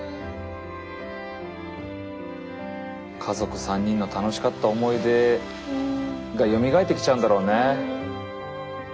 家族３人の楽しかった思い出がよみがえってきちゃうんだろうね。